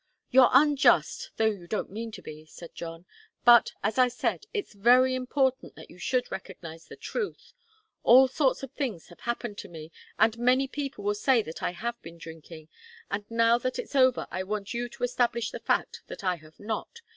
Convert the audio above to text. "You're unjust, though you don't mean to be," said John. "But, as I said, it's very important that you should recognize the truth. All sorts of things have happened to me, and many people will say that I had been drinking. And now that it's over I want you to establish the fact that I have not.